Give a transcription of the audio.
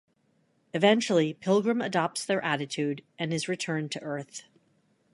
Eventually Pilgrim adopts their attitude and is returned to Earth.